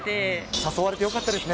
誘われてよかったですね。